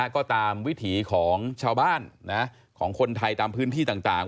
ก็ตามวิถีของชาวบ้านของคนไทยตามพื้นที่ต่าง